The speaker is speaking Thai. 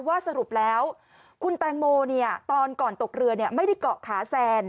สรุปแล้วคุณแตงโมตอนก่อนตกเรือไม่ได้เกาะขาแซน